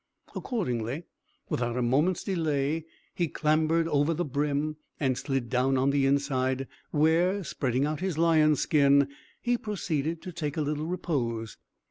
Accordingly, without a moment's delay, he clambered over the brim, and slid down on the inside, where, spreading out his lion's skin, he proceeded to take a little repose.